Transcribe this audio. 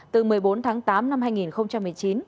từ một mươi bốn tháng tám năm hai nghìn một mươi chín